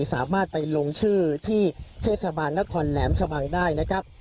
สามารถไปลงชื่อที่เทศบาลนครแหลมชะบังได้นะครับ